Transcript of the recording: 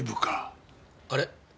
あれ？